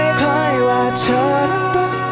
ที่ดูคล้ายคล้ายว่าเธอนั้นรัก